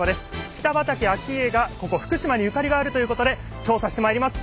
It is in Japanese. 北畠顕家がここ福島にゆかりがあるということで調査してまいります。